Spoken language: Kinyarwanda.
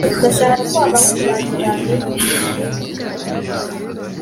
Beseri iri mu mirambi yaho